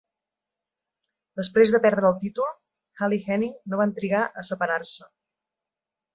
Després de perdre el títol, Hall i Hennig no van trigar a separar-se.